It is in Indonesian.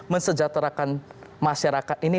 mensejaterakan masyarakat ini